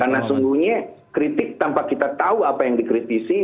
karena sungguhnya kritik tanpa kita tahu apa yang dikritisi